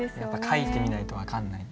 書いてみないと分かんない。